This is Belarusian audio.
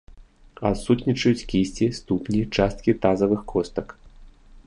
Адсутнічаюць кісці, ступні, часткі тазавых костак.